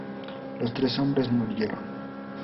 Los tres hombres murieron.